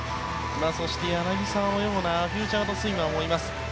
そして柳澤のようなフィーチャードスイマーもいます。